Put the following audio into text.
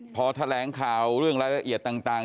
พอแถลงข่าวเรื่องรายละเอียดต่าง